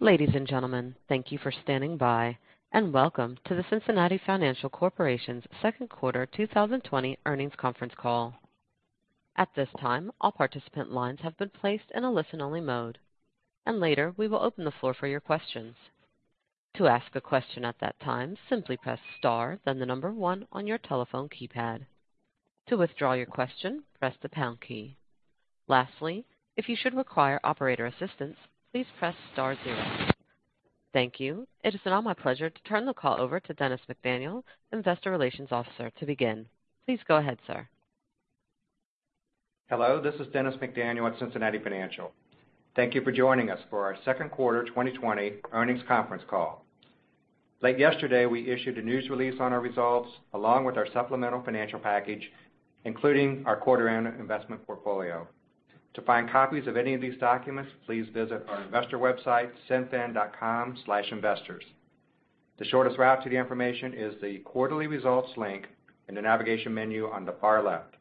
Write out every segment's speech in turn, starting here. Ladies and gentlemen, thank you for standing by, welcome to the Cincinnati Financial Corporation's second quarter 2020 earnings conference call. At this time, all participant lines have been placed in a listen-only mode, later we will open the floor for your questions. To ask a question at that time, simply press star then the number 1 on your telephone keypad. To withdraw your question, press the pound key. Lastly, if you should require operator assistance, please press star 0. Thank you. It is now my pleasure to turn the call over to Dennis McDaniel, investor relations officer, to begin. Please go ahead, sir. Hello, this is Dennis McDaniel at Cincinnati Financial. Thank you for joining us for our second quarter 2020 earnings conference call. Late yesterday, we issued a news release on our results along with our supplemental financial package, including our quarterly investment portfolio. To find copies of any of these documents, please visit our investor website, cinfin.com/investors. The shortest route to the information is the quarterly results link in the navigation menu on the far left.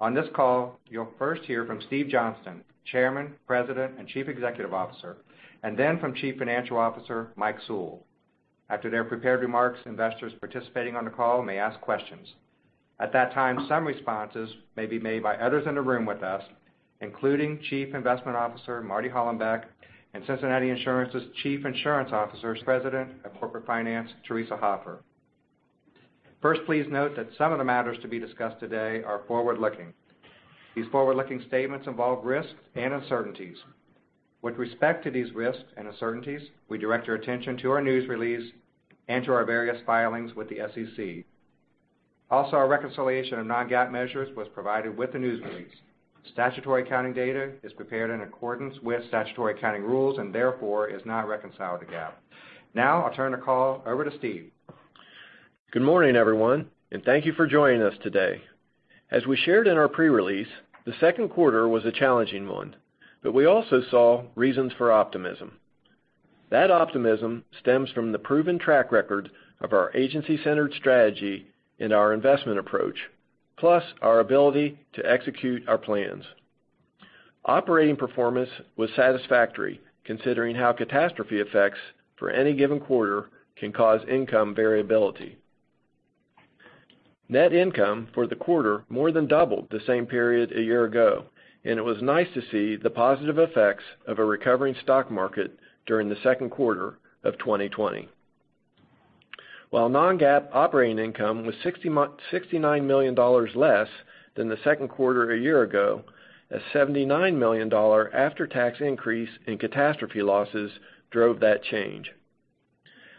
On this call, you'll first hear from Steve Johnston, chairman, president, and chief executive officer, then from Chief Financial Officer, Mike Sewell. After their prepared remarks, investors participating on the call may ask questions. At that time, some responses may be made by others in the room with us, including Chief Investment Officer Marty Hollenbeck and Cincinnati Insurance's Chief Insurance Officer, President of Corporate Finance, Theresa Hoffer. First, please note that some of the matters to be discussed today are forward-looking. These forward-looking statements involve risks and uncertainties. With respect to these risks and uncertainties, we direct your attention to our news release and to our various filings with the SEC. Also, our reconciliation of non-GAAP measures was provided with the news release. Statutory accounting data is prepared in accordance with statutory accounting rules and therefore is not reconciled to GAAP. I'll turn the call over to Steve. Good morning, everyone, thank you for joining us today. As we shared in our pre-release, the second quarter was a challenging one, we also saw reasons for optimism. That optimism stems from the proven track record of our agency-centered strategy and our investment approach, plus our ability to execute our plans. Operating performance was satisfactory considering how catastrophe effects for any given quarter can cause income variability. Net income for the quarter more than doubled the same period a year ago, it was nice to see the positive effects of a recovering stock market during the second quarter of 2020. While non-GAAP operating income was $69 million less than the second quarter a year ago, a $79 million after-tax increase in catastrophe losses drove that change.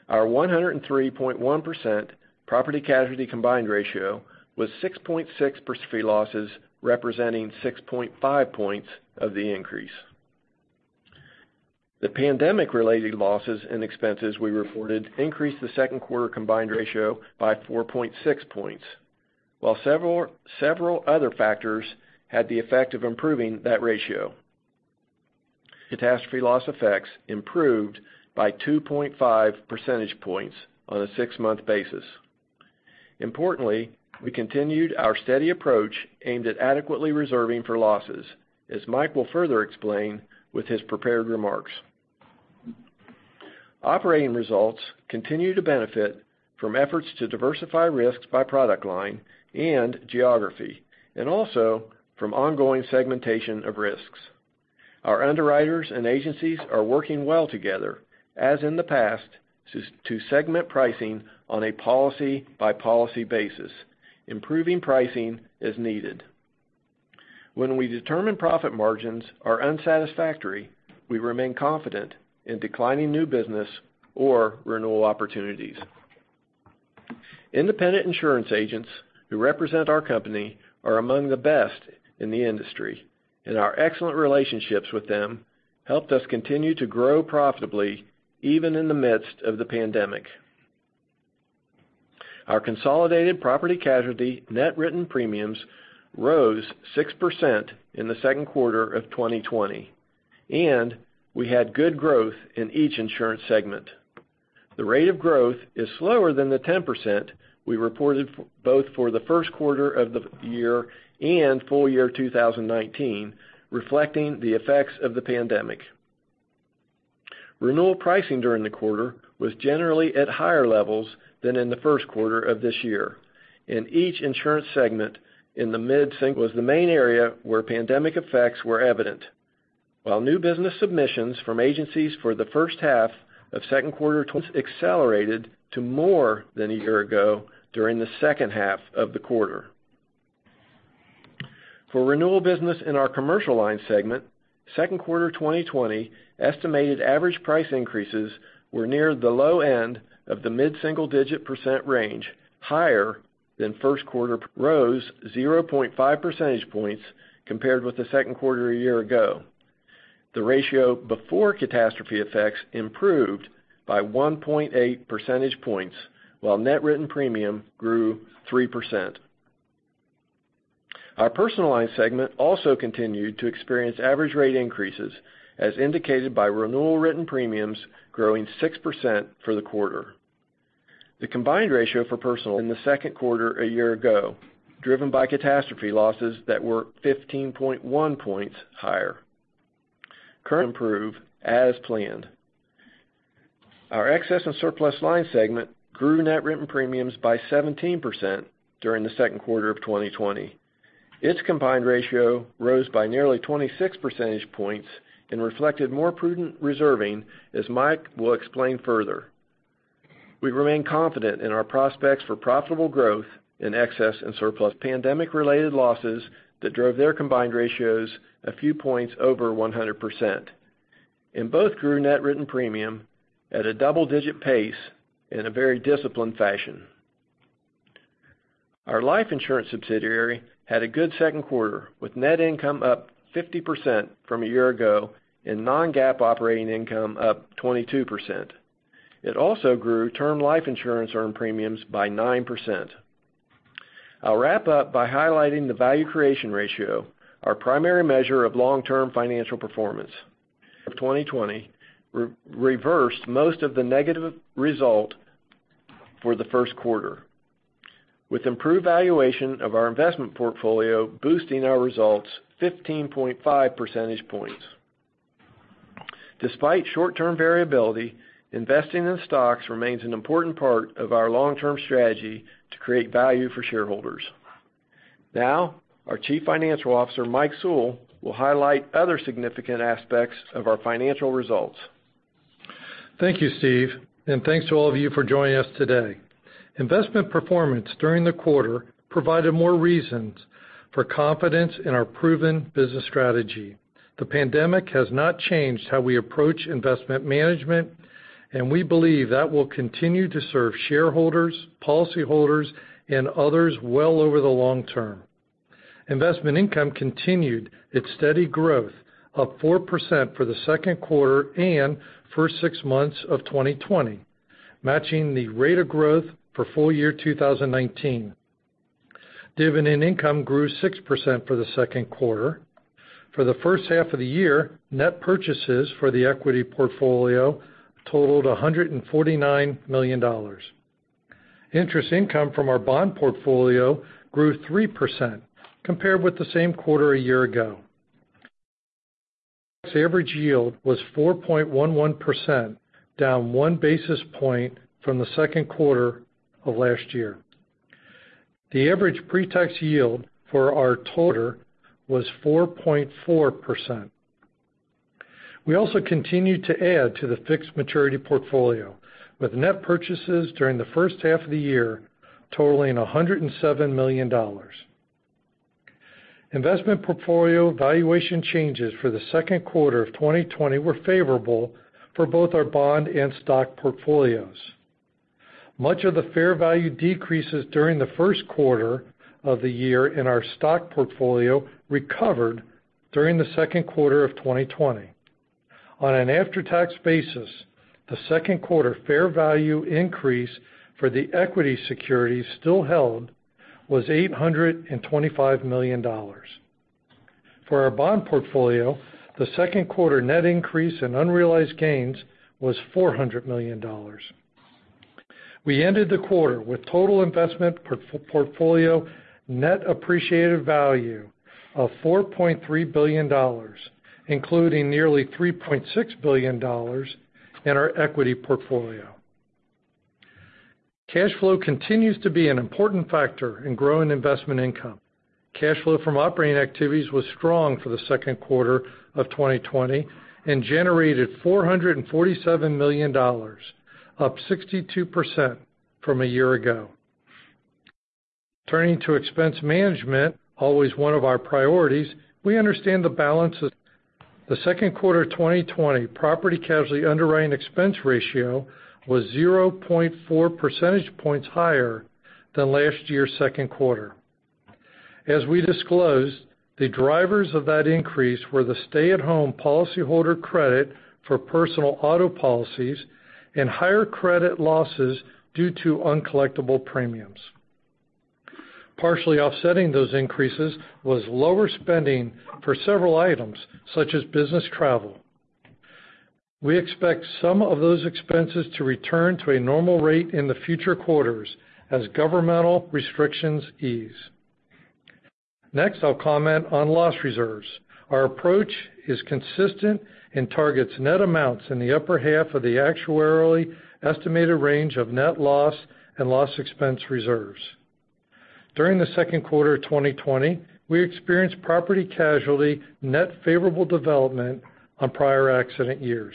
Our 103.1% property-casualty combined ratio was 6.6 catastrophe losses, representing 6.5 points of the increase. The pandemic-related losses and expenses we reported increased the second quarter combined ratio by 4.6 points, while several other factors had the effect of improving that ratio. Catastrophe loss effects improved by 2.5 percentage points on a six-month basis. Importantly, we continued our steady approach aimed at adequately reserving for losses, as Mike will further explain with his prepared remarks. Operating results continue to benefit from efforts to diversify risks by product line and geography, also from ongoing segmentation of risks. Our underwriters and agencies are working well together, as in the past, to segment pricing on a policy-by-policy basis, improving pricing as needed. When we determine profit margins are unsatisfactory, we remain confident in declining new business or renewal opportunities. Independent insurance agents who represent our company are among the best in the industry, our excellent relationships with them helped us continue to grow profitably even in the midst of the pandemic. Our consolidated property-casualty net written premiums rose 6% in the second quarter of 2020, we had good growth in each insurance segment. The rate of growth is slower than the 10% we reported both for the first quarter of the year and full year 2019, reflecting the effects of the pandemic. Renewal pricing during the quarter was generally at higher levels than in the first quarter of this year. In each insurance segment in the mid-single was the main area where pandemic effects were evident. New business submissions from agencies for the first half of second quarter 2020 accelerated to more than a year ago during the second half of the quarter. For renewal business in our Commercial Line Segment, second quarter 2020 estimated average price increases were near the low end of the mid-single-digit percent range, higher than first quarter rose 0.5 percentage points compared with the second quarter a year ago. The ratio before catastrophe effects improved by 1.8 percentage points while net written premium grew 3%. Our Personal Line Segment also continued to experience average rate increases as indicated by renewal written premiums growing 6% for the quarter. The combined ratio for personal in the second quarter a year ago, driven by catastrophe losses that were 15.1 points higher. Currently improve as planned. Our Excess and Surplus Line Segment grew net written premiums by 17% during the second quarter of 2020. Its combined ratio rose by nearly 26 percentage points and reflected more prudent reserving, as Mike will explain further. We remain confident in our prospects for profitable growth in Excess and Surplus pandemic-related losses that drove their combined ratios a few points over 100%. Both grew net written premium at a double-digit pace in a very disciplined fashion. Our life insurance subsidiary had a good second quarter, with net income up 50% from a year ago and non-GAAP operating income up 22%. It also grew term life insurance earned premiums by 9%. I'll wrap up by highlighting the value creation ratio, our primary measure of long-term financial performance. Of 2020 reversed most of the negative result for the first quarter, with improved valuation of our investment portfolio boosting our results 15.5 percentage points. Despite short-term variability, investing in stocks remains an important part of our long-term strategy to create value for shareholders. Now, our Chief Financial Officer, Mike Sewell, will highlight other significant aspects of our financial results. Thank you, Steve, and thanks to all of you for joining us today. Investment performance during the quarter provided more reasons for confidence in our proven business strategy. The pandemic has not changed how we approach investment management, and we believe that will continue to serve shareholders, policyholders, and others well over the long term. Investment income continued its steady growth of 4% for the second quarter and first six months of 2020, matching the rate of growth for full year 2019. Dividend income grew 6% for the second quarter. For the first half of the year, net purchases for the equity portfolio totaled $149 million. Interest income from our bond portfolio grew 3% compared with the same quarter a year ago. Its average yield was 4.11%, down one basis point from the second quarter of last year. The average pre-tax yield for our total was 4.4%. We also continued to add to the fixed maturity portfolio, with net purchases during the first half of the year totaling $107 million. Investment portfolio valuation changes for the second quarter of 2020 were favorable for both our bond and stock portfolios. Much of the fair value decreases during the first quarter of the year in our stock portfolio recovered during the second quarter of 2020. On an after-tax basis, the second quarter fair value increase for the equity securities still held was $825 million. For our bond portfolio, the second quarter net increase in unrealized gains was $400 million. We ended the quarter with total investment portfolio net appreciated value of $4.3 billion, including nearly $3.6 billion in our equity portfolio. Cash flow continues to be an important factor in growing investment income. Cash flow from operating activities was strong for the second quarter of 2020 and generated $447 million, up 62% from a year ago. Turning to expense management, always one of our priorities, we understand the balance of Second quarter 2020 property casualty underwriting expense ratio was 0.4 percentage points higher than last year's second quarter. As we disclosed, the drivers of that increase were the stay-at-home policyholder credit for personal auto policies and higher credit losses due to uncollectible premiums. Partially offsetting those increases was lower spending for several items, such as business travel. We expect some of those expenses to return to a normal rate in the future quarters as governmental restrictions ease. I'll comment on loss reserves. Our approach is consistent and targets net amounts in the upper half of the actuarially estimated range of net loss and loss expense reserves. During the second quarter of 2020, we experienced property casualty net favorable development on prior accident years.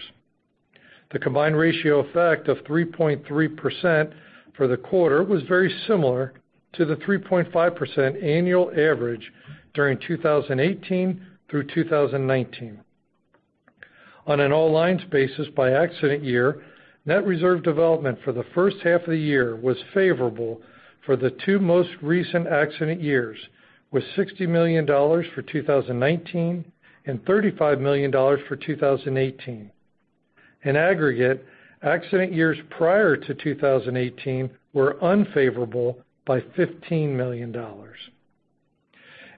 The combined ratio effect of 3.3% for the quarter was very similar to the 3.5% annual average during 2018 through 2019. On an all lines basis by accident year, net reserve development for the first half of the year was favorable for the two most recent accident years, with $60 million for 2019 and $35 million for 2018. In aggregate, accident years prior to 2018 were unfavorable by $15 million.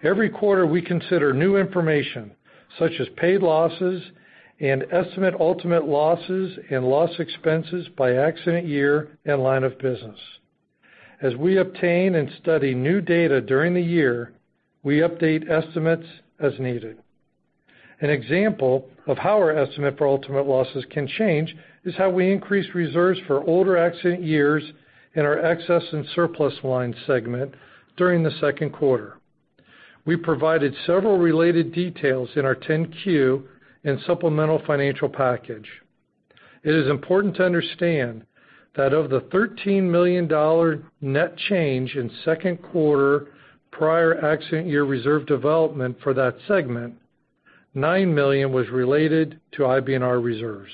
Every quarter, we consider new information such as paid losses and estimate ultimate losses and loss expenses by accident year and line of business. As we obtain and study new data during the year, we update estimates as needed. An example of how our estimate for ultimate losses can change is how we increase reserves for older accident years in our excess and surplus lines segment during the second quarter. We provided several related details in our 10-Q and supplemental financial package. It is important to understand that of the $13 million net change in second quarter prior accident year reserve development for that segment, $9 million was related to IBNR reserves.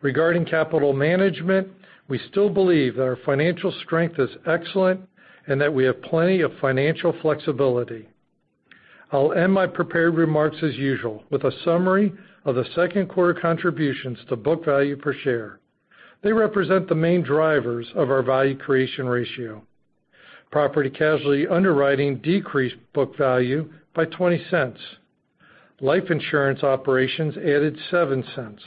Regarding capital management, we still believe that our financial strength is excellent and that we have plenty of financial flexibility. I'll end my prepared remarks as usual, with a summary of the second quarter contributions to book value per share. They represent the main drivers of our value creation ratio. Property casualty underwriting decreased book value by $0.20. Life insurance operations added $0.07.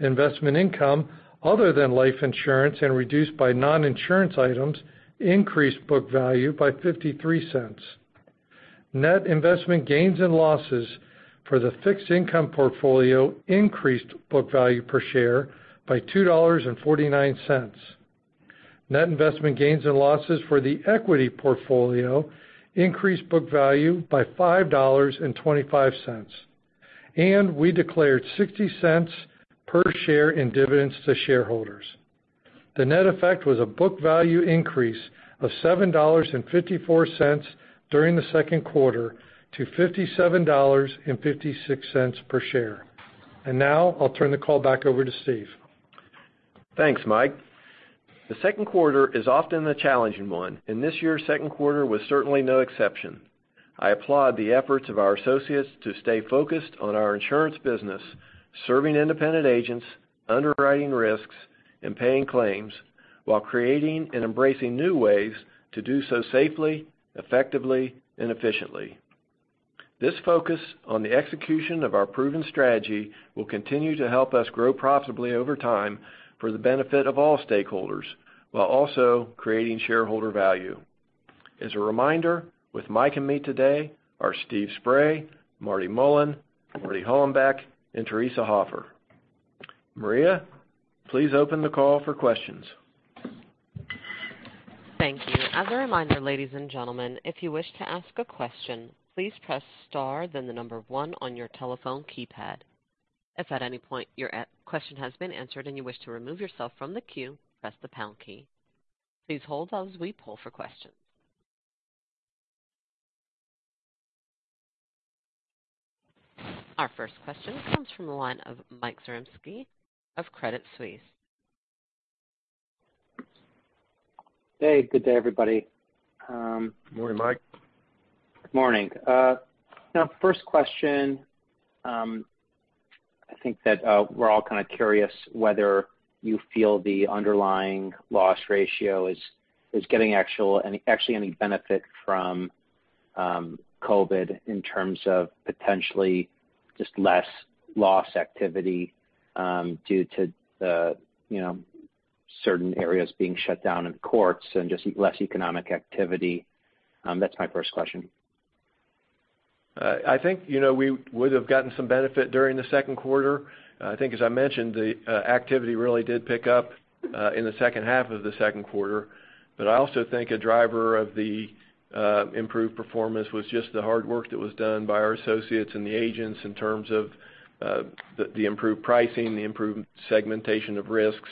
Investment income other than life insurance and reduced by non-insurance items increased book value by $0.53. Net investment gains and losses for the fixed income portfolio increased book value per share by $2.49. Net investment gains and losses for the equity portfolio increased book value by $5.25. We declared $0.60 per share in dividends to shareholders. The net effect was a book value increase of $7.54 during the second quarter to $57.56 per share. Now I'll turn the call back over to Steve. Thanks, Mike. The second quarter is often the challenging one, and this year's second quarter was certainly no exception. I applaud the efforts of our associates to stay focused on our insurance business, serving independent agents, underwriting risks, and paying claims while creating and embracing new ways to do so safely, effectively, and efficiently. This focus on the execution of our proven strategy will continue to help us grow profitably over time for the benefit of all stakeholders, while also creating shareholder value. As a reminder, with Mike and me today are Steve Spray, Marty Mullen, Marty Hollenbeck, and Theresa Hoffer. Maria, please open the call for questions. Thank you. As a reminder, ladies and gentlemen, if you wish to ask a question, please press star then the number one on your telephone keypad. If at any point your question has been answered and you wish to remove yourself from the queue, press the pound key. Please hold while we poll for questions. Our first question comes from the line of Mike Zaremski of Credit Suisse. Hey, good day, everybody. Morning, Mike. Morning. First question. I think that we're all kind of curious whether you feel the underlying loss ratio is getting actually any benefit from COVID in terms of potentially just less loss activity due to certain areas being shut down in courts and just less economic activity. That's my first question. I think we would have gotten some benefit during the second quarter. I think as I mentioned, the activity really did pick up in the second half of the second quarter. I also think a driver of the improved performance was just the hard work that was done by our associates and the agents in terms of the improved pricing, the improved segmentation of risks,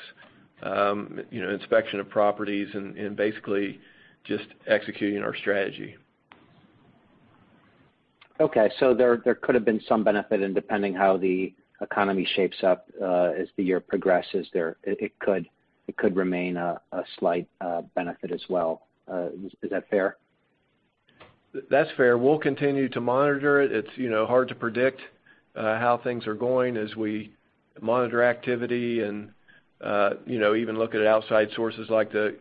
inspection of properties, and basically just executing our strategy. There could have been some benefit, and depending how the economy shapes up as the year progresses, it could remain a slight benefit as well. Is that fair? That's fair. We'll continue to monitor it. It's hard to predict how things are going as we monitor activity and even look at outside sources like the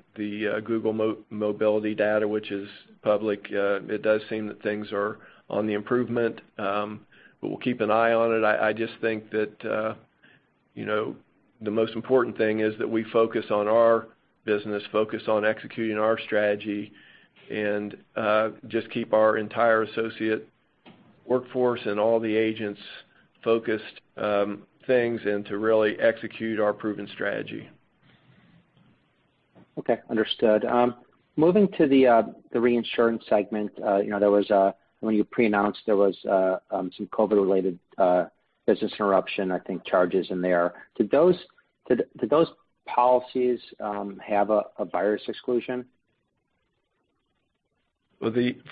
Google mobility data, which is public. It does seem that things are on the improvement. We'll keep an eye on it. I just think that the most important thing is that we focus on our business, focus on executing our strategy, and just keep our entire associate workforce and all the agents focused things and to really execute our proven strategy. Okay. Understood. Moving to the reinsurance segment, when you pre-announced there was some COVID-related business interruption, I think charges in there. Did those policies have a virus exclusion?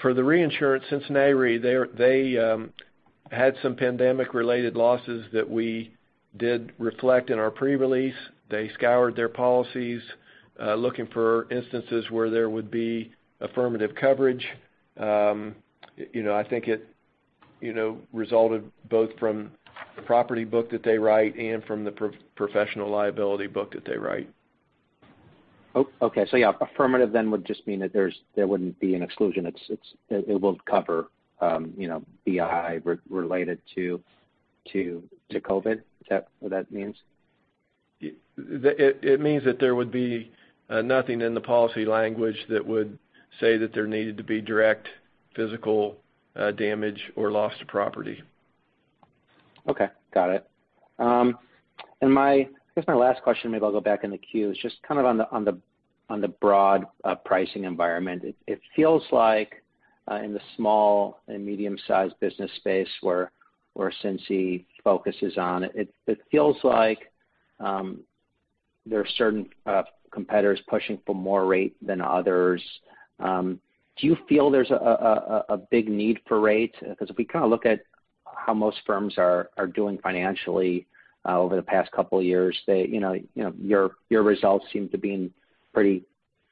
For the reinsurance Cincinnati Re, they had some pandemic-related losses that we did reflect in our pre-release. They scoured their policies looking for instances where there would be affirmative coverage. I think it resulted both from the property book that they write and from the professional liability book that they write. Oh, okay. Yeah, affirmative then would just mean that there wouldn't be an exclusion. It will cover BI related to COVID. Is that what that means? It means that there would be nothing in the policy language that would say that there needed to be direct physical damage or loss to property. Okay. Got it. I guess my last question, maybe I'll go back in the queue, is just on the broad pricing environment. It feels like in the small and medium-sized business space, where Cincy focuses on, it feels like there are certain competitors pushing for more rate than others. Do you feel there's a big need for rate? Because if we look at how most firms are doing financially over the past couple of years, your results seem to be in pretty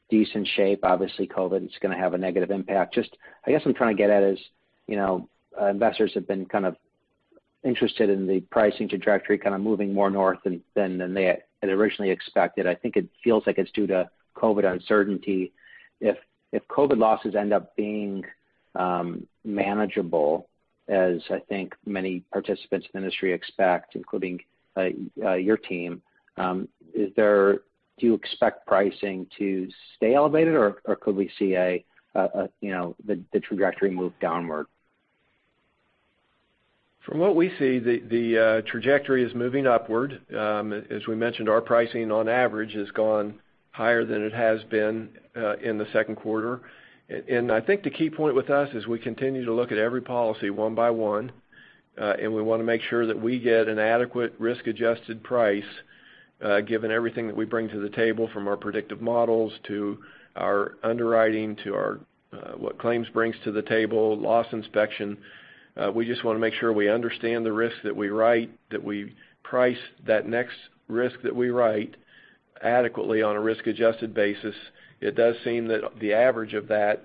decent shape. Obviously, COVID is going to have a negative impact. I guess I'm trying to get at is, investors have been interested in the pricing trajectory moving more north than they had originally expected. I think it feels like it's due to COVID uncertainty. If COVID losses end up being manageable, as I think many participants in the industry expect, including your team, do you expect pricing to stay elevated or could we see the trajectory move downward? From what we see, the trajectory is moving upward. As we mentioned, our pricing on average has gone higher than it has been in the second quarter. I think the key point with us is we continue to look at every policy one by one, and we want to make sure that we get an adequate risk-adjusted price, given everything that we bring to the table, from our predictive models to our underwriting to what claims brings to the table, loss inspection. We just want to make sure we understand the risk that we write, that we price that next risk that we write adequately on a risk-adjusted basis. It does seem that the average of that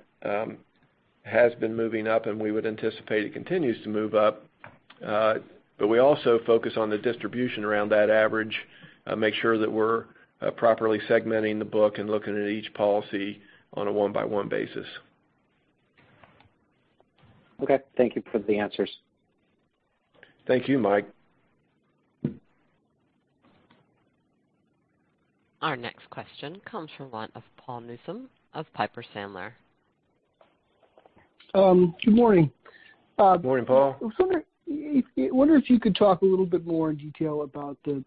has been moving up and we would anticipate it continues to move up. We also focus on the distribution around that average, make sure that we're properly segmenting the book and looking at each policy on a one-by-one basis. Okay. Thank you for the answers. Thank you, Mike. Our next question comes from the line of Paul Newsome of Piper Sandler. Good morning. Morning, Paul. I was wondering if you could talk a little bit more in detail about the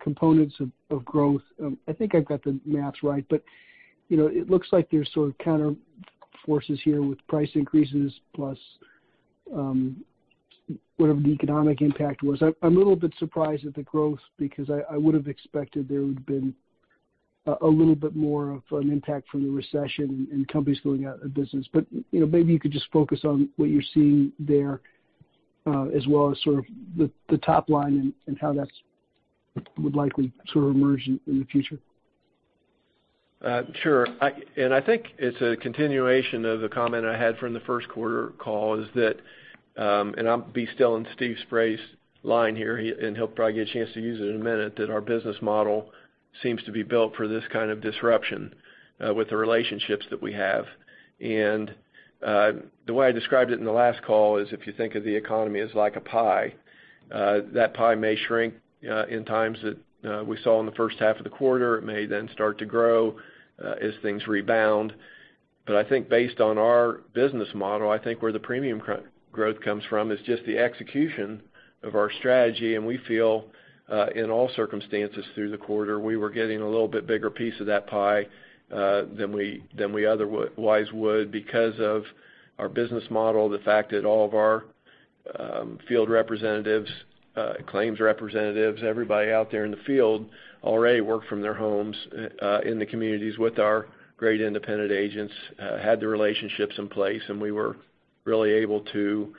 components of growth. I think I've got the math right, but it looks like there's sort of counterforces here with price increases plus whatever the economic impact was. I'm a little bit surprised at the growth because I would have expected there would have been a little bit more of an impact from the recession and companies going out of business. Maybe you could just focus on what you're seeing there, as well as the top line and how that would likely emerge in the future. Sure. I think it's a continuation of the comment I had from the first quarter call is that, and I'll be stealing Steve Spray's line here, and he'll probably get a chance to use it in a minute, that our business model seems to be built for this kind of disruption, with the relationships that we have. The way I described it in the last call is if you think of the economy as like a pie, that pie may shrink in times that we saw in the first half of the quarter. It may then start to grow as things rebound. I think based on our business model, I think where the premium growth comes from is just the execution of our strategy, and we feel, in all circumstances through the quarter, we were getting a little bit bigger piece of that pie than we otherwise would because of our business model, the fact that all of our field representatives, claims representatives, everybody out there in the field already worked from their homes in the communities with our great independent agents, had the relationships in place, and we were really able to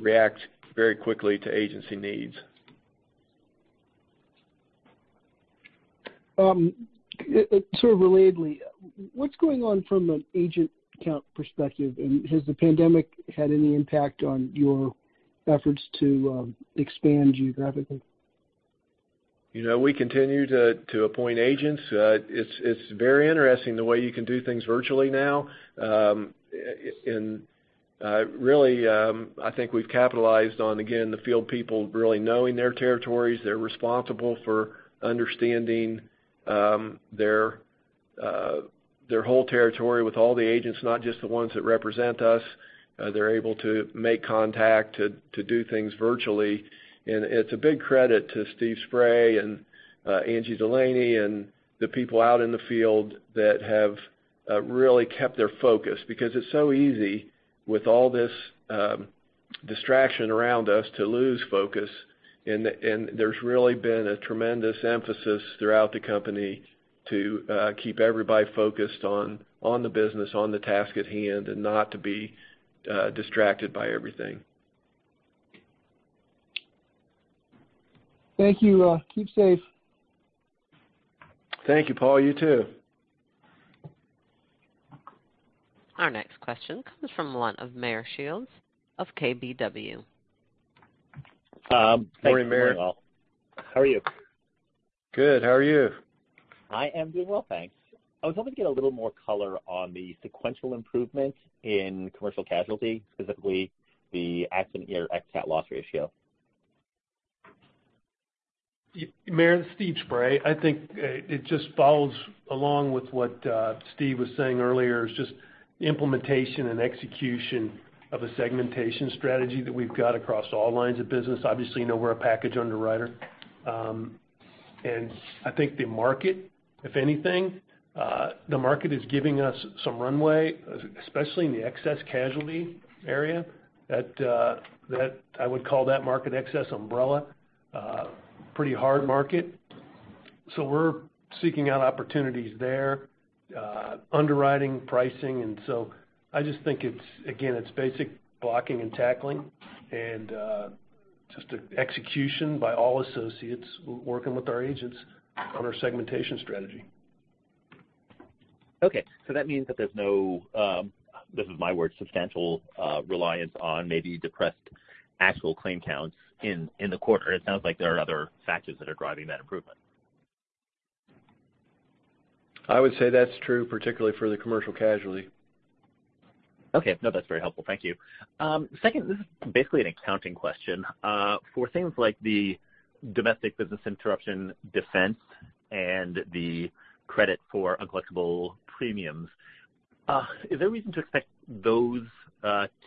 react very quickly to agency needs. Sort of relatedly, what's going on from an agent count perspective? Has the pandemic had any impact on your efforts to expand geographically? We continue to appoint agents. It's very interesting the way you can do things virtually now. Really, I think we've capitalized on, again, the field people really knowing their territories. They're responsible for understanding their whole territory with all the agents, not just the ones that represent us. They're able to make contact to do things virtually. It's a big credit to Steve Spray and Angie Delaney and the people out in the field that have really kept their focus, because it's so easy with all this distraction around us to lose focus. There's really been a tremendous emphasis throughout the company to keep everybody focused on the business, on the task at hand, and not to be distracted by everything. Thank you. Keep safe. Thank you, Paul. You too. Our next question comes from the line of Meyer Shields of KBW. Good morning, Meyer. How are you? Good. How are you? I am doing well, thanks. I was hoping to get a little more color on the sequential improvement in commercial casualty, specifically the accident year excess cat loss ratio. Meyer, this is Steve Spray. I think it just follows along with what Steve was saying earlier. It's just implementation and execution of a segmentation strategy that we've got across all lines of business. Obviously, you know we're a package underwriter. I think the market, if anything, the market is giving us some runway, especially in the excess casualty area. I would call that market excess umbrella. Pretty hard market. We're seeking out opportunities there, underwriting, pricing, and so I just think, again, it's basic blocking and tackling and just execution by all associates working with our agents on our segmentation strategy. Okay. That means that there's no, this is my word, substantial reliance on maybe depressed actual claim counts in the quarter. It sounds like there are other factors that are driving that improvement. I would say that's true, particularly for the commercial casualty. Okay. No, that's very helpful. Thank you. Second, this is basically an accounting question. For things like the domestic business interruption defense and the credit for uncollectible premiums, is there reason to expect those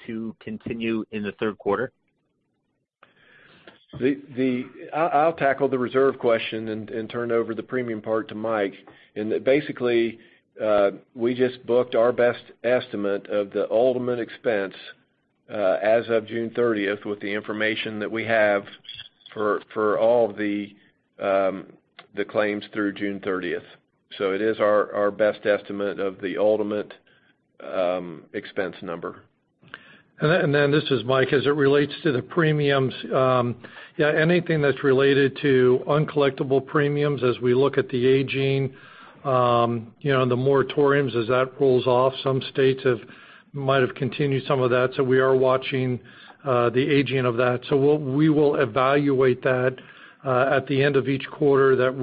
to continue in the third quarter? I'll tackle the reserve question and turn over the premium part to Mike. Basically, we just booked our best estimate of the ultimate expense as of June 30th with the information that we have for all the claims through June 30th. It is our best estimate of the ultimate expense number. This is Mike. As it relates to the premiums, yeah, anything that's related to uncollectible premiums as we look at the aging, the moratoriums as that rolls off, some states might have continued some of that, so we are watching the aging of that. We will evaluate that at the end of each quarter that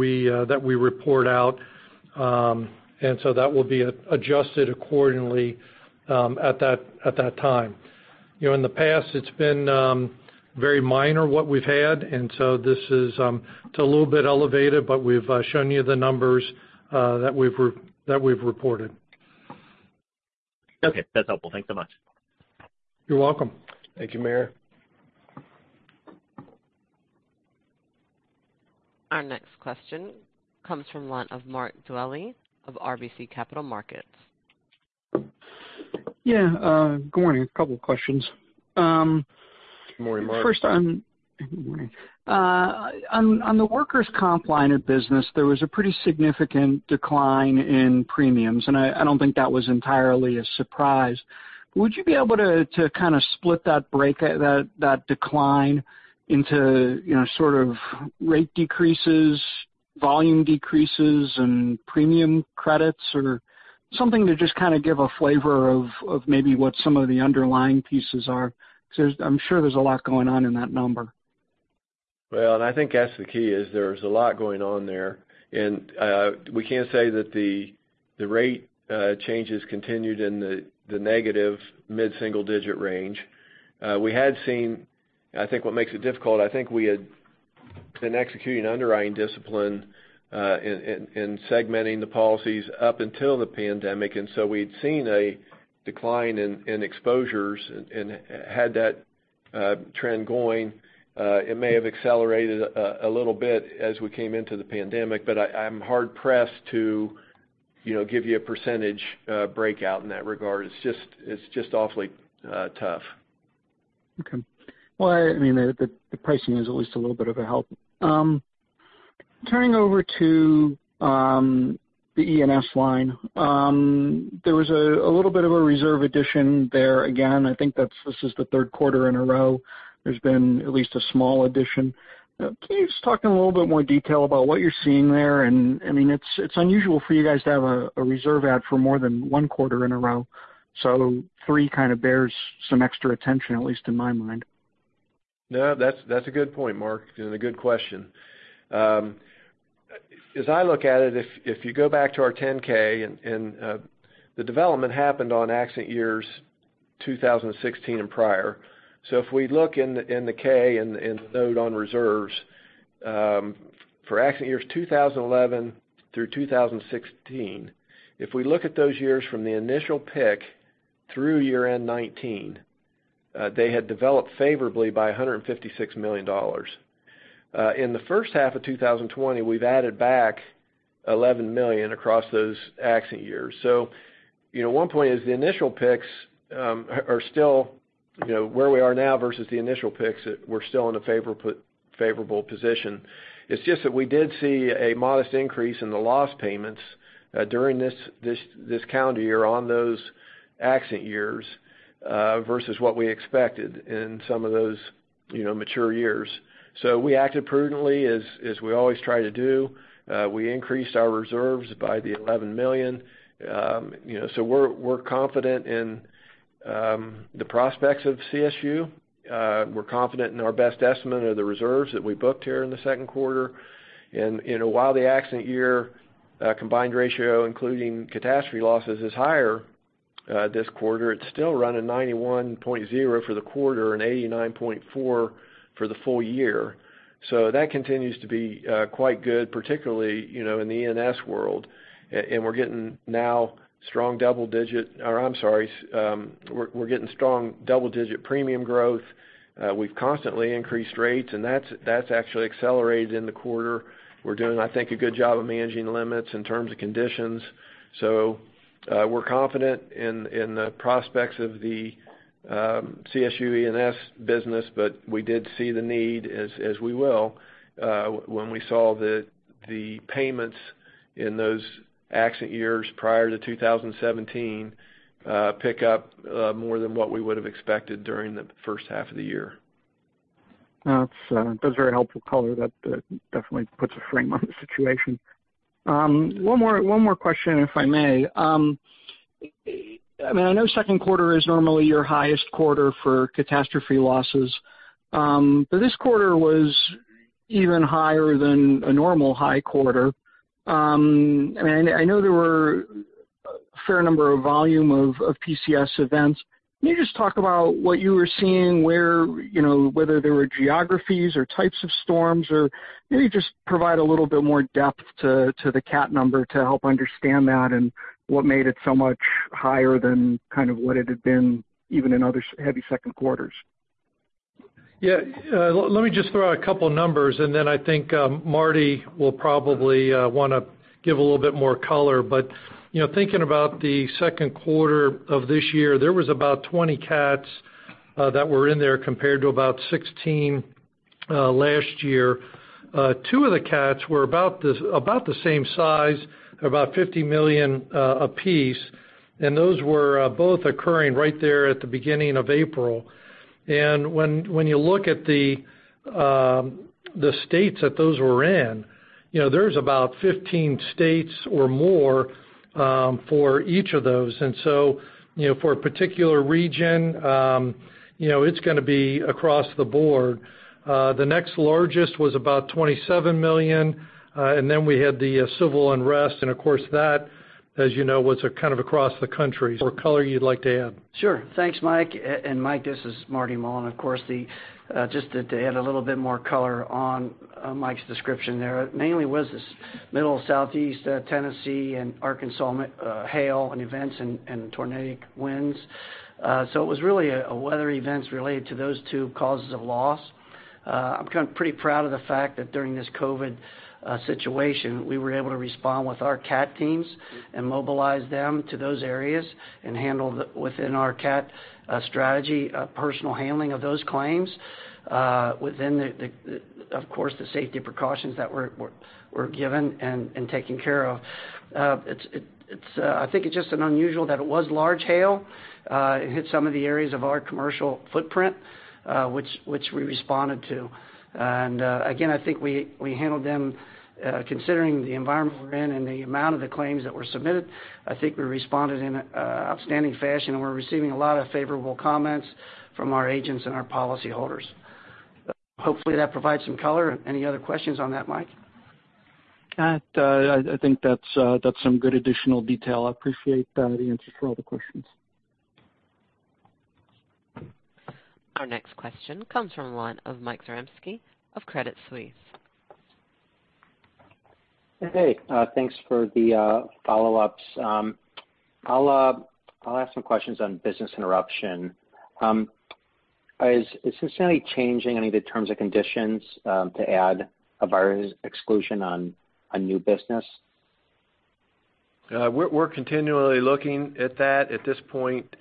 we report out. That will be adjusted accordingly at that time. In the past, it's been very minor what we've had, and so this is a little bit elevated, but we've shown you the numbers that we've reported. Okay. That's helpful. Thanks so much. You're welcome. Thank you, Meyer. Our next question comes from the line of Mark Dwelle of RBC Capital Markets. Yeah, good morning. A couple of questions. Good morning, Mark. Good morning. On the workers' comp line of business, there was a pretty significant decline in premiums. I don't think that was entirely a surprise. Would you be able to kind of split that break, that decline into sort of rate decreases, volume decreases, and premium credits? Something to just kind of give a flavor of maybe what some of the underlying pieces are, because I'm sure there's a lot going on in that number. Well, I think that's the key, is there's a lot going on there. We can say that the rate changes continued in the negative mid-single-digit range. I think what makes it difficult, I think we had been executing underwriting discipline and segmenting the policies up until the pandemic, we'd seen a decline in exposures and had that trend going. It may have accelerated a little bit as we came into the pandemic, I'm hard-pressed to give you a percentage breakout in that regard. It's just awfully tough. Well, the pricing is at least a little bit of a help. Turning over to the E&S line. There was a little bit of a reserve addition there again. I think this is the third quarter in a row there's been at least a small addition. Can you just talk in a little bit more detail about what you're seeing there? It's unusual for you guys to have a reserve add for more than one quarter in a row, so three kind of bears some extra attention, at least in my mind. No, that's a good point, Mark, and a good question. As I look at it, if you go back to our 10-K, the development happened on accident years 2016 and prior. If we look in the K and the note on reserves, for accident years 2011 through 2016, if we look at those years from the initial pick through year-end 2019, they had developed favorably by $156 million. In the first half of 2020, we've added back $11 million across those accident years. One point is the initial picks are still, where we are now versus the initial picks, we're still in a favorable position. It's just that we did see a modest increase in the loss payments during this calendar year on those accident years versus what we expected in some of those mature years. We acted prudently as we always try to do. We increased our reserves by the $11 million. We're confident in the prospects of CSU. We're confident in our best estimate of the reserves that we booked here in the second quarter. While the accident year combined ratio, including catastrophe losses, is higher this quarter, it's still running 91.0% for the quarter and 89.4% for the full year. That continues to be quite good, particularly, in the E&S world. We're getting now strong double digit premium growth. We've constantly increased rates, and that's actually accelerated in the quarter. We're doing, I think, a good job of managing the limits in terms of conditions. We're confident in the prospects of the CSU E&S business. We did see the need as we will, when we saw that the payments in those accident years prior to 2017 pick up more than what we would've expected during the first half of the year. That's very helpful color. That definitely puts a frame on the situation. One more question, if I may. I know second quarter is normally your highest quarter for catastrophe losses. This quarter was even higher than a normal high quarter. I know there were a fair number of volume of PCS events. Can you just talk about what you were seeing where, whether there were geographies or types of storms, or maybe just provide a little bit more depth to the cat number to help understand that and what made it so much higher than kind of what it had been even in other heavy second quarters. Let me just throw out a couple numbers. Then I think Marty will probably want to give a little bit more color. Thinking about the second quarter of this year, there was about 20 cats that were in there compared to about 16 last year. Two of the cats were about the same size, about $50 million apiece, and those were both occurring right there at the beginning of April. When you look at the states that those were in, there's about 15 states or more for each of those. For a particular region, it's going to be across the board. The next largest was about $27 million. We had the civil unrest, and of course, that, as you know, was kind of across the country. More color you'd like to add? Sure. Thanks, Mike. Mike, this is Marty Mullen. Of course, just to add a little bit more color on Mike's description there. Mainly was this Middle Southeast Tennessee and Arkansas hail and events and tornadic winds. It was really weather events related to those two causes of loss. I'm kind of pretty proud of the fact that during this COVID situation, we were able to respond with our cat teams and mobilize them to those areas and handle within our cat strategy personal handling of those claims within the, of course, the safety precautions that were given and taken care of. I think it's just unusual that it was large hail. It hit some of the areas of our commercial footprint, which we responded to. Again, I think we handled them, considering the environment we're in and the amount of the claims that were submitted. I think we responded in outstanding fashion, and we're receiving a lot of favorable comments from our agents and our policyholders. Hopefully, that provides some color. Any other questions on that, Mike? I think that's some good additional detail. I appreciate the answers for all the questions. Our next question comes from the line of Mike Zaremski of Credit Suisse. Hey, thanks for the follow-ups. I'll ask some questions on business interruption. Is Cincinnati changing any of the terms and conditions to add a virus exclusion on new business? We're continually looking at that. At this point,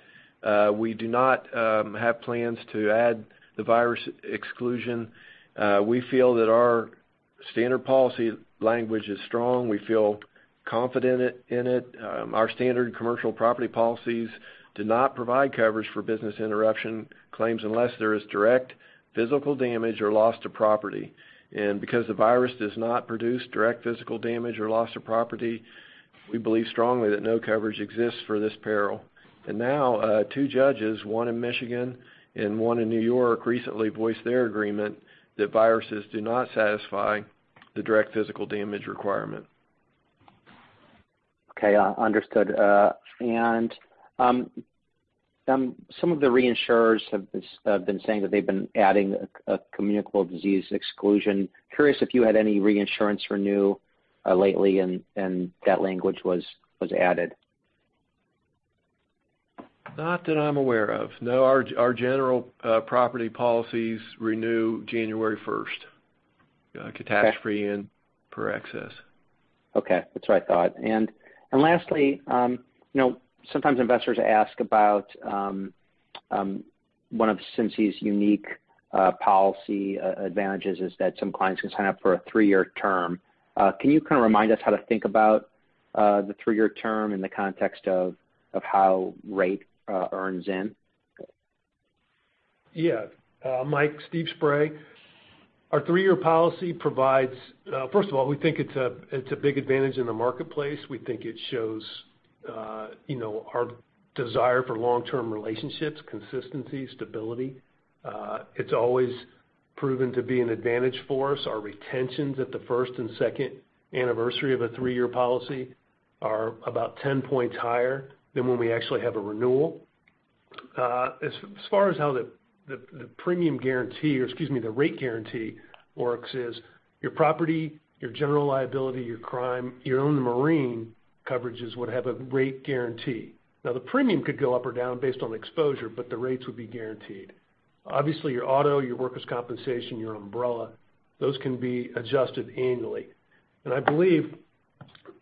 we do not have plans to add the virus exclusion. We feel that our standard policy language is strong. We feel confident in it. Our standard commercial property policies do not provide coverage for business interruption claims unless there is direct physical damage or loss to property. Because the virus does not produce direct physical damage or loss of property, we believe strongly that no coverage exists for this peril. Now, two judges, one in Michigan and one in New York, recently voiced their agreement that viruses do not satisfy the direct physical damage requirement. Okay. Understood. Some of the reinsurers have been saying that they've been adding a communicable disease exclusion. Curious if you had any reinsurance renew lately and that language was added. Not that I'm aware of. No, our general property policies renew January 1st. Catastrophe and per excess. Okay. That's what I thought. Lastly, sometimes investors ask about one of Cincy's unique policy advantages is that some clients can sign up for a three-year term. Can you kind of remind us how to think about the three-year term in the context of how rate earns in. Yeah. Mike, Steve Spray. Our three-year policy provides-- first of all, we think it's a big advantage in the marketplace. We think it shows our desire for long-term relationships, consistency, stability. It's always proven to be an advantage for us. Our retentions at the first and second anniversary of a three-year policy are about 10 points higher than when we actually have a renewal. As far as how the premium guarantee or, excuse me, the rate guarantee works is your property, your general liability, your crime, even the marine coverages would have a rate guarantee. Now, the premium could go up or down based on exposure, but the rates would be guaranteed. Obviously, your auto, your workers' compensation, your umbrella, those can be adjusted annually. I believe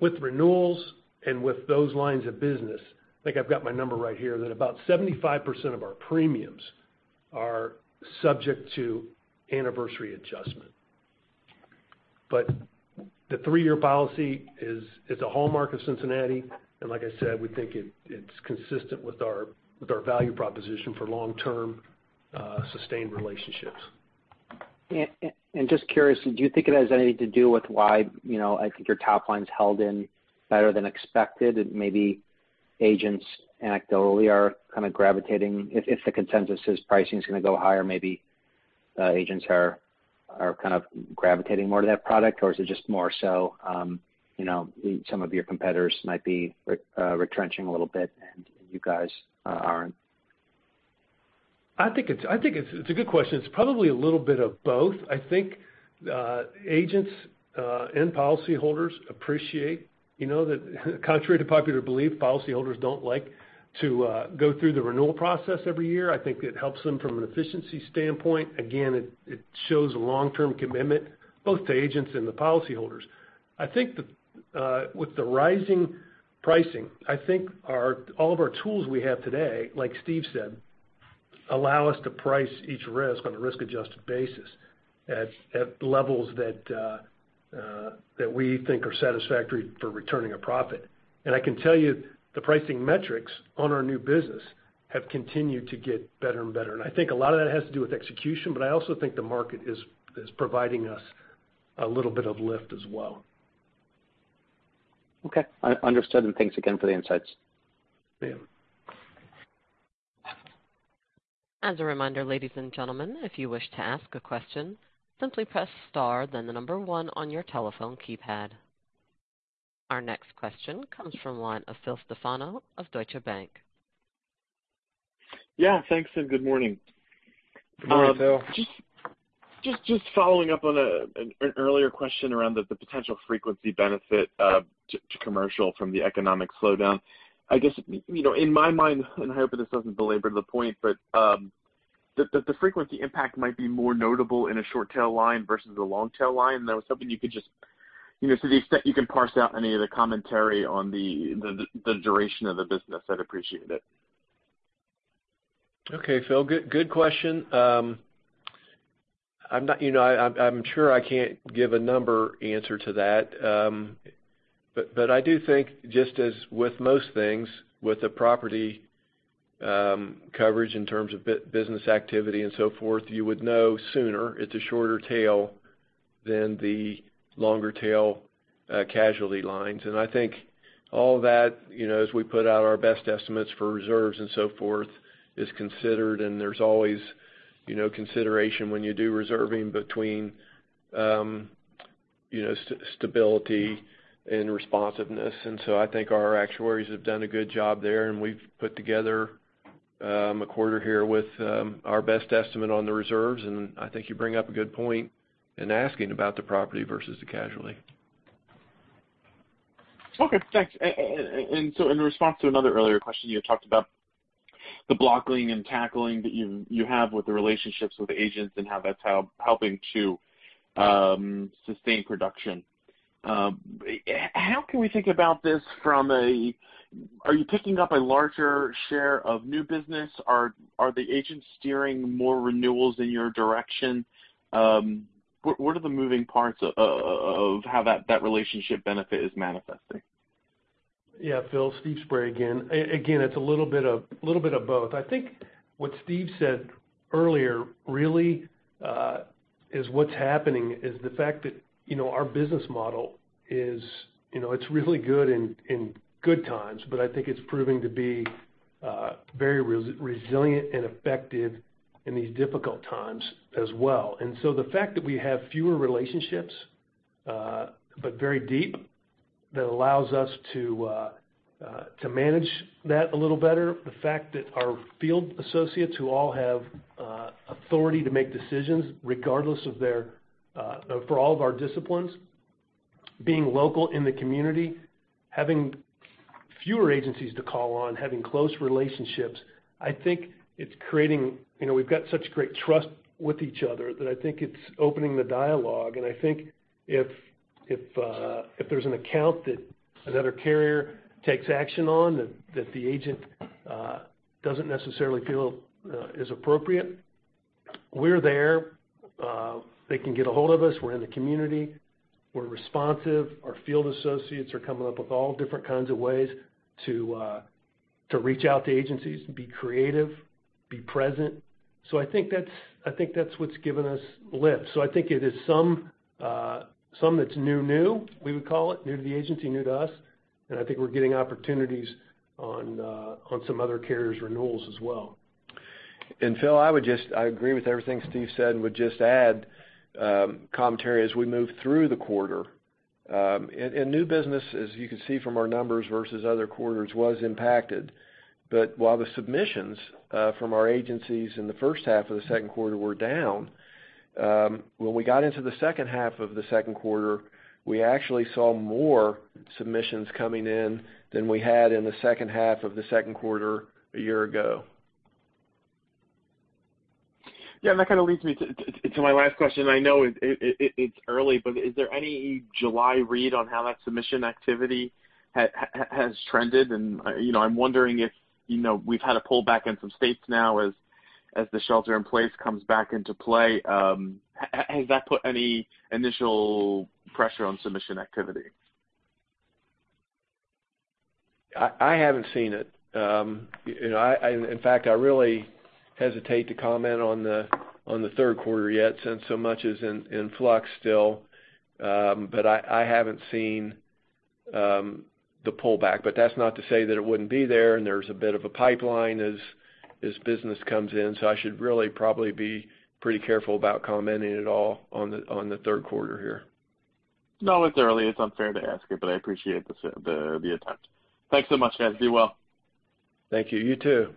with renewals and with those lines of business, I think I've got my number right here, that about 75% of our premiums are subject to anniversary adjustment. The three-year policy is a hallmark of Cincinnati, and like I said, we think it's consistent with our value proposition for long-term, sustained relationships. Just curious, do you think it has anything to do with why I think your top line's held in better than expected, and maybe agents anecdotally are gravitating, if the consensus is pricing is going to go higher, maybe agents are gravitating more to that product, or is it just more so some of your competitors might be retrenching a little bit and you guys aren't? It's a good question. It's probably a little bit of both. I think agents and policyholders appreciate that contrary to popular belief, policyholders don't like to go through the renewal process every year. I think it helps them from an efficiency standpoint. Again, it shows long-term commitment, both to agents and the policyholders. With the rising pricing, I think all of our tools we have today, like Steve said, allow us to price each risk on a risk-adjusted basis at levels that we think are satisfactory for returning a profit. I can tell you the pricing metrics on our new business have continued to get better and better. I think a lot of that has to do with execution, but I also think the market is providing us a little bit of lift as well. Okay. Understood. Thanks again for the insights. Yeah. As a reminder, ladies and gentlemen, if you wish to ask a question, simply press star then the number 1 on your telephone keypad. Our next question comes from the line of Phil Stefano of Deutsche Bank. Yeah, thanks, and good morning. Good morning, Phil. Just following up on an earlier question around the potential frequency benefit to commercial from the economic slowdown. In my mind, and I hope this doesn't belabor the point, but the frequency impact might be more notable in a short-tail line versus a long-tail line, though something you could just to the extent you can parse out any of the commentary on the duration of the business, I'd appreciate it. Okay, Phil, good question. I'm sure I can't give a number answer to that. I do think, just as with most things, with the property coverage in terms of business activity and so forth, you would know sooner. It's a shorter tail than the longer tail casualty lines. I think all that, as we put out our best estimates for reserves and so forth, is considered, and there's always consideration when you do reserving between stability and responsiveness. I think our actuaries have done a good job there, and we've put together a quarter here with our best estimate on the reserves, I think you bring up a good point in asking about the property versus the casualty. Okay, thanks. In response to another earlier question, you had talked about the blocking and tackling that you have with the relationships with agents and how that's helping to sustain production. How can we think about this? Are you picking up a larger share of new business? Are the agents steering more renewals in your direction? What are the moving parts of how that relationship benefit is manifesting? Yeah. Phil, Steve Spray again. It's a little bit of both. I think what Steve said earlier really is what's happening is the fact that our business model is really good in good times, but I think it's proving to be very resilient and effective in these difficult times as well. The fact that we have fewer relationships, but very deep, that allows us to manage that a little better. The fact that our field associates, who all have authority to make decisions regardless of for all of our disciplines, being local in the community, having fewer agencies to call on, having close relationships. I think it's creating. We've got such great trust with each other that I think it's opening the dialogue, and I think if there's an account that another carrier takes action on that the agent doesn't necessarily feel is appropriate. We're there. They can get ahold of us. We're in the community. We're responsive. Our field associates are coming up with all different kinds of ways to reach out to agencies and be creative, be present. I think that's what's given us lift. I think it is some that's new-new, we would call it, new to the agency, new to us, and I think we're getting opportunities on some other carriers' renewals as well. Phil, I agree with everything Steve said, and would just add commentary as we move through the quarter. In new business, as you can see from our numbers versus other quarters, was impacted. While the submissions from our agencies in the first half of the second quarter were down, when we got into the second half of the second quarter, we actually saw more submissions coming in than we had in the second half of the second quarter a year ago. That kind of leads me to my last question. I know it's early, but is there any July read on how that submission activity has trended? I'm wondering if we've had a pullback in some states now as the shelter in place comes back into play. Has that put any initial pressure on submission activity? I haven't seen it. In fact, I really hesitate to comment on the third quarter yet, since so much is in flux still. I haven't seen the pullback. That's not to say that it wouldn't be there, and there's a bit of a pipeline as business comes in. I should really probably be pretty careful about commenting at all on the third quarter here. No, it's early. It's unfair to ask you, but I appreciate the attempt. Thanks so much, guys. Be well. Thank you. You too.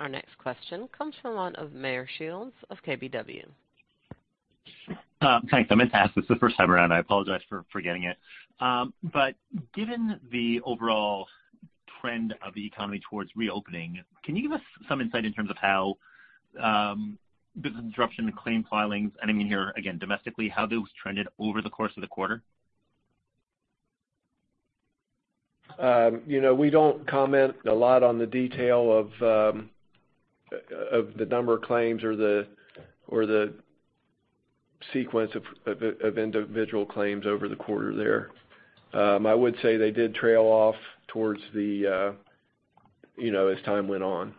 Our next question comes from the line of Meyer Shields of KBW. Thanks. I meant to ask this the first time around. I apologize for forgetting it. Given the overall trend of the economy towards reopening, can you give us some insight in terms of how business interruption claim filings, and I mean here, again, domestically, how those trended over the course of the quarter? We don't comment a lot on the detail of the number of claims or the sequence of individual claims over the quarter there. I would say they did trail off as time went on.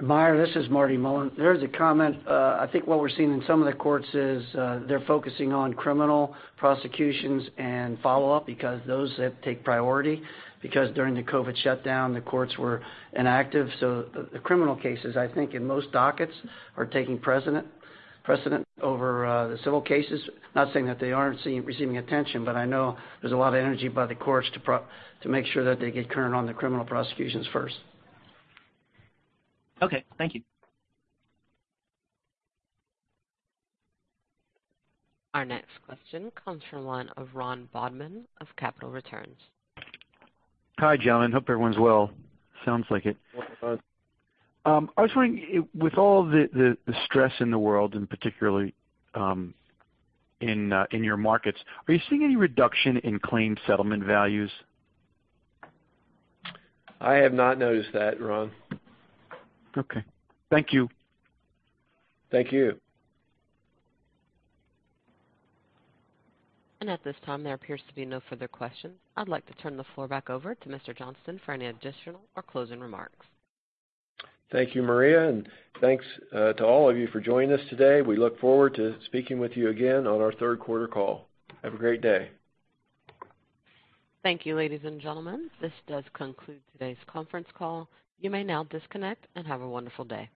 Meyer, this is Marty Mullen. There is a comment. I think what we're seeing in some of the courts is, they're focusing on criminal prosecutions and follow-up because those have take priority. Because during the COVID shutdown, the courts were inactive. The criminal cases, I think, in most dockets, are taking precedent over the civil cases. Not saying that they aren't receiving attention, I know there's a lot of energy by the courts to make sure that they get current on their criminal prosecutions first. Okay. Thank you. Our next question comes from the line of Ron Bobman of Capital Returns. Hi, gentlemen. Hope everyone's well. Sounds like it. Yes, bud. I was wondering, with all the stress in the world and particularly in your markets, are you seeing any reduction in claim settlement values? I have not noticed that, Ron. Okay. Thank you. Thank you. At this time, there appears to be no further questions. I'd like to turn the floor back over to Mr. Johnston for any additional or closing remarks. Thank you, Maria. Thanks to all of you for joining us today. We look forward to speaking with you again on our third quarter call. Have a great day. Thank you, ladies and gentlemen. This does conclude today's conference call. You may now disconnect. Have a wonderful day.